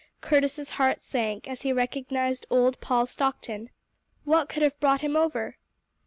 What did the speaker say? Curtis's heart sank as he recognized old Paul Stockton. What could have brought him over?